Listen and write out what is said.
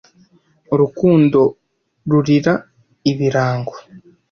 urukundo rurira ibirango